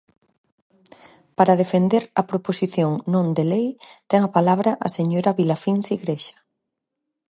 Para defender a proposición non de lei, ten a palabra a señora Vilafíns Igrexa.